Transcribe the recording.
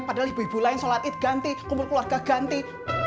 padahal ibu ibu lain sholat id ganti kumpul keluarga ganti